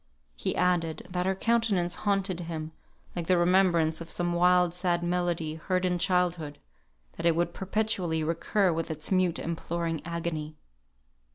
He added, that her countenance haunted him, like the remembrance of some wild sad melody, heard in childhood; that it would perpetually recur with its mute imploring agony.